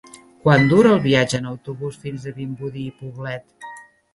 Quant dura el viatge en autobús fins a Vimbodí i Poblet?